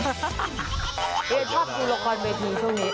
ชอบดูละครเวทีช่วงนี้